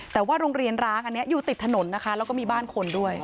แต่ว่าโรงเรียนร้างอันนี้อยู่ติดถนนนะคะแล้วก็มีบ้านคนด้วย